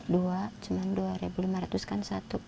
dua cuma dua lima ratus kan satu